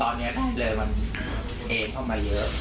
มันเอมเข้ามาเยอะ